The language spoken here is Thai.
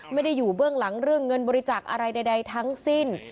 ไม่ได้อยู่เบื้องหลังเรื่องเงินบริจาคอะไรใดทั้งสิ้น